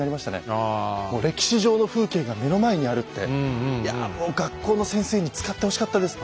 もう歴史上の風景が目の前にあるっていやもう学校の先生に使ってほしかったです。